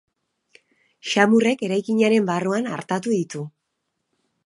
Samurrek eraikinaren barruan artatu ditu.